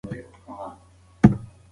تور چای کم وڅښئ.